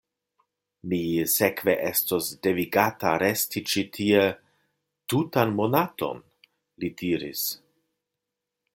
Mi sekve estos devigata resti ĉi tie tutan monaton? li diris.